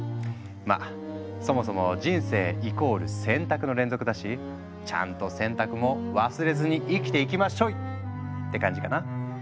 まあそもそも人生イコール選択の連続だしちゃんと選択も忘れずに生きていきまっしょい！って感じかな。